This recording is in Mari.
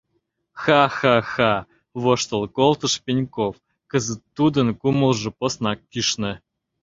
— Ха-ха-ха! — воштыл колтыш Пеньков, кызыт тудын кумылжо поснак кӱшнӧ.